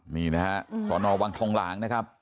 นี่นะฮะสอนอวังทองหลางนะครับ